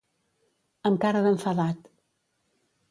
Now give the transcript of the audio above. Amb cara d'enfadat.